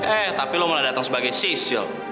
eh tapi lo malah dateng sebagai sisil